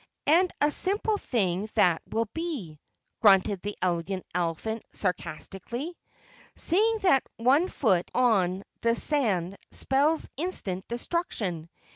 "And a simple thing that will be," grunted the Elegant Elephant sarcastically, "seeing that one foot on the sand spells instant destruction.